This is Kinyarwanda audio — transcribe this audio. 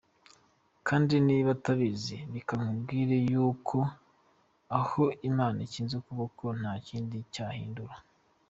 Kandi niba utabizi reka nkubwire yuko, aho Imana ikinze ukuboko, ntakindi cyabihindura.